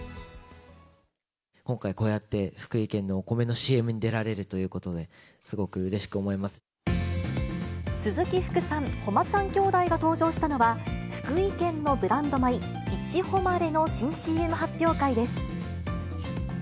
今回こうやって、福井県のお米のＣＭに出られるということで、すごくうれしく思い鈴木福さん、誉ちゃんきょうだいが登場したのは、福井県のブランド米、いちほまれの新ＣＭ発表会です。